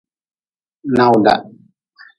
Nawda.